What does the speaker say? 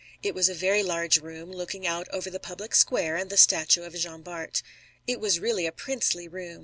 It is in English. It was a very large room looking out over the public square and the statue of Jean Bart. It was really a princely room.